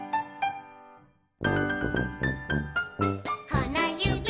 「このゆび